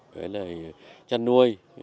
với lại chăn nuôi